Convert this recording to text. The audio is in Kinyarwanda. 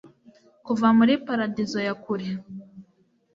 Kuva muri paradizo ya kure